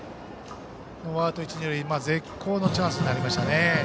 ノーアウト、一、二塁という絶好のチャンスになりましたね。